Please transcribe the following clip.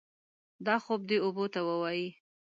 دا خوب دې اوبو ته ووايي.